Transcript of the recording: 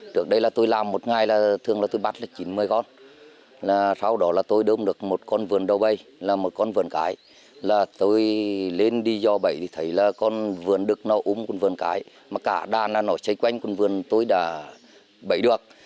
trước đây là tôi làm một ngày là thường là tôi bắt là chín mươi con là sau đó là tôi đông được một con vườn đầu bây là một con vườn cái là tôi lên đi do bẫy thì thấy là con vườn đực nó úm con vườn cái mà cả đàn nó cháy quanh con vườn tôi đã bẫy được